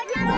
wah dia ada